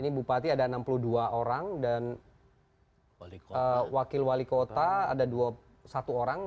ini bupati ada enam puluh dua orang dan wakil wali kota ada satu orang